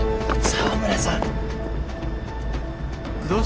澤村さん！